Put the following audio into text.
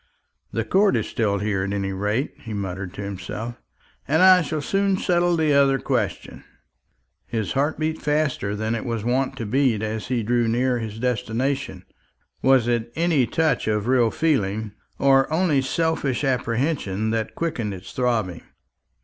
"The court is still here, at any rate," he muttered to himself, "and I shall soon settle the other question." His heart beat faster than it was wont to beat as he drew near his destination. Was it any touch of real feeling, or only selfish apprehension, that quickened its throbbing?